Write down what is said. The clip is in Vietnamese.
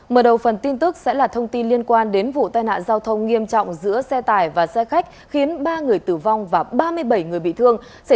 các bạn hãy đăng ký kênh để ủng hộ kênh của chúng mình nhé